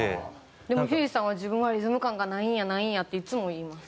でもひゅーいさんは「自分はリズム感がないんやないんや」っていつも言います。